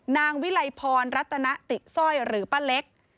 นายวิลัยพรรดิ์รัฐนติ่งซ่อยหรือป้าเล็ก